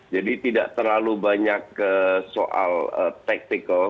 jadi tidak terlalu banyak soal tactical